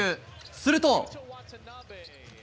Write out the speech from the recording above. すると。